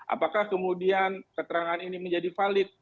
apakah kemudian keterangan ini menjadi valid